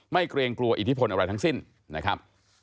เกรงกลัวอิทธิพลอะไรทั้งสิ้นนะครับ